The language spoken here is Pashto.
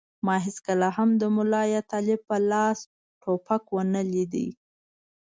ما هېڅکله هم د ملا یا طالب په لاس ټوپک و نه لید.